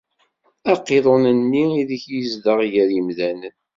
Aqiḍun-nni ideg izdeɣ gar yimdanen.